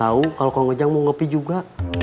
gak tau kalau kang ujang mau kopi juga